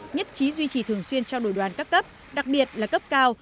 nhất trí duy trì thường xuyên cho đội đoàn các cấp đặc biệt là cấp cao